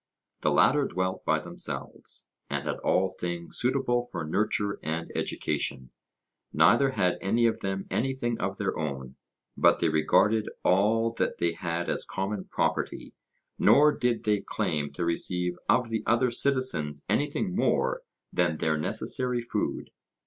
The latter dwelt by themselves, and had all things suitable for nurture and education; neither had any of them anything of their own, but they regarded all that they had as common property; nor did they claim to receive of the other citizens anything more than their necessary food.